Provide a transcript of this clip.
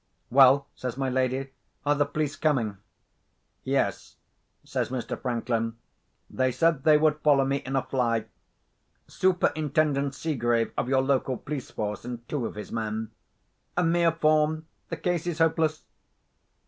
"Well," says my lady, "are the police coming?" "Yes," says Mr. Franklin; "they said they would follow me in a fly. Superintendent Seegrave, of your local police force, and two of his men. A mere form! The case is hopeless."